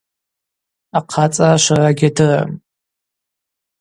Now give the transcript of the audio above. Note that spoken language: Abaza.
Ахъацӏара швара гьадырам.